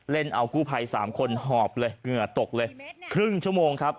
เล่นเอากู้ภัย๓คนหอบเลยเหงื่อตกเลยครึ่งชั่วโมงครับ